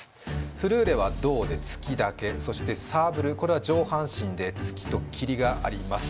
フルーレは胴で突きだけそしてサーブルこれは上半身で突きと斬りがあります